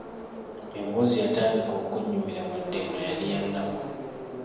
Emboozi yatandika okunnyumira wadde nga yali ya nnaku.